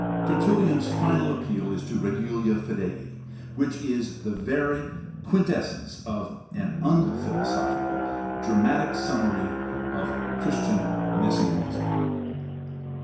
Ter tullian's final appeal is to regula fidei, which is the very quintes sence of an unphilosophical, dramatic summary of Christian messianism.